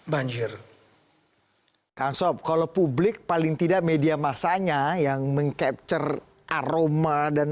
banjir kansop kalau publik paling tidak media masanya yang mengepcer aroma dan